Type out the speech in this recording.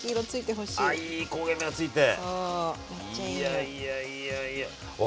いやいやいやいや。わ